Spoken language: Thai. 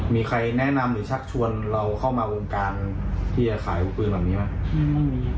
มีใครแนะนำหรือชักชวนเราเข้ามาวงการที่จะขายอาวุธปืนแบบนี้ไหม